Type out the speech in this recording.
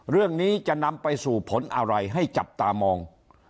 เรื่องนี้จะนำไปสู่ผลอะไรให้จับตามอง